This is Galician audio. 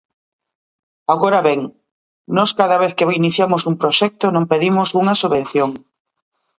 Agora ben, nós cada vez que iniciamos un proxecto non pedimos unha subvención.